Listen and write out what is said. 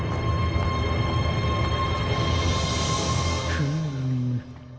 フーム。